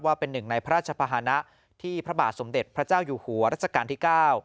เป็นหนึ่งในพระราชภาษณะที่พระบาทสมเด็จพระเจ้าอยู่หัวรัชกาลที่๙